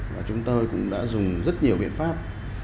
và chúng tôi cũng đã dùng rất nhiều biện pháp